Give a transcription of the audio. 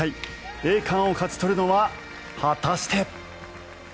栄冠を勝ち取るのは果たして？